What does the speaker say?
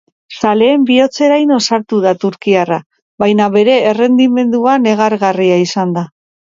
Zaleen bihotzeraino sartu da turkiarra, baina bere errendimendua negargarria izan da.